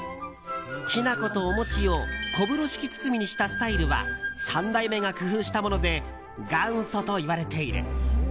きな粉とお餅を小風呂敷包みにしたスタイルは３代目が工夫したもので元祖といわれている。